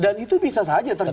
dan itu bisa saja terjadi